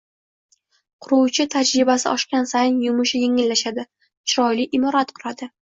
Quruvchi tajribasi oshgan sayin yumushi yengillashadi: chiroyli imorat quradi.